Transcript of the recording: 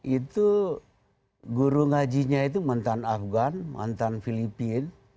itu guru ngajinya itu mantan afgan mantan filipina